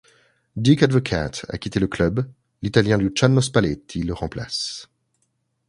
Dick Advocaat a quitté le club, l'italien Luciano Spalletti le remplace.